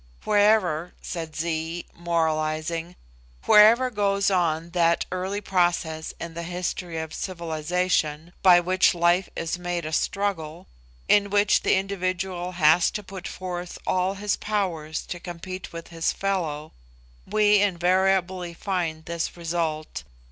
"Wherever," said Zee, moralising, "wherever goes on that early process in the history of civilisation, by which life is made a struggle, in which the individual has to put forth all his powers to compete with his fellow, we invariably find this result viz.